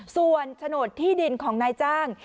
ส่วนโฉนดที่ดินของนายจ้าง